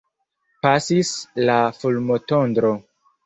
Pasis la fulmotondro.